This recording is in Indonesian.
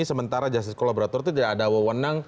sementara justice kolaborator itu tidak ada wawonan